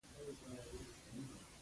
د امریکا متحد ایلاتو مهمې صنایع کومې دي؟